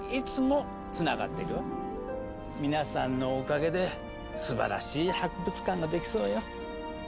皆さんのおかげですばらしい博物館ができそうよ。